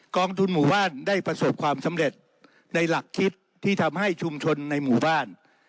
กองทุนหมู่บ้านได้ประสบความสำเร็จในหลักคิดที่ทำให้ชุมชนในหมู่บ้าน